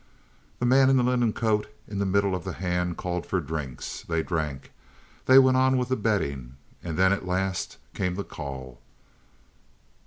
The man in the linen coat, in the middle of the hand, called for drinks. They drank. They went on with the betting. And then at last came the call.